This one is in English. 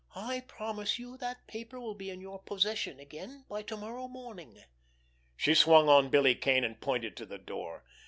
I promise you that paper will be in your possession again by to morrow morning." She swung on Billy Kane, and pointed to the door.